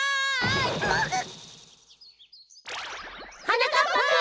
はなかっぱくん！